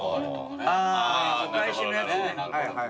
あお返しのやつ。